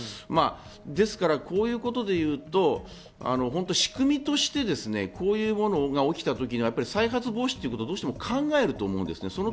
ですからこういうことで言うと仕組みとして、こういうものが起きた時の再発防止ということを考えると思うんです。